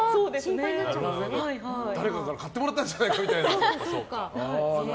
誰かから買ってもらったんじゃないかみたいな。